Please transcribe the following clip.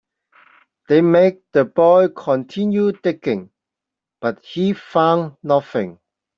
They made the boy continue digging, but he found nothing.